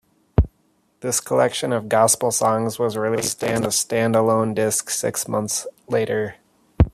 This collection of gospel songs was released as a stand-alone disc six months later.